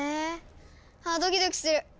あぁドキドキする。